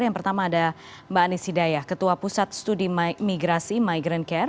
yang pertama ada mbak anies hidayah ketua pusat studi migrasi migrant care